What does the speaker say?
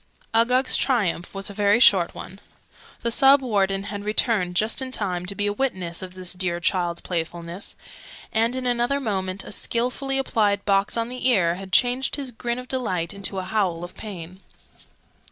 Uggug's triumph was a very short one: the Sub Warden had returned, just in time to be a witness of his dear child's playfulness, and in another moment a skilfully applied box on the ear had changed the grin of delight into a howl of pain.